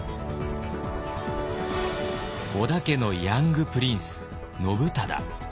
織田家のヤングプリンス信忠。